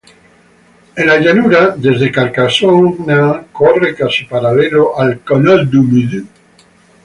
En su llanura, desde Carcasona, corre casi paralelo al Canal du Midi.